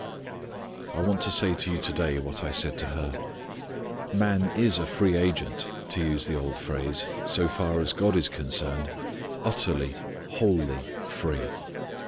I want to say to you to day what I said to her. Man is a free agent, to use the old phrase, so far as God is concerned; utterly, wholly free.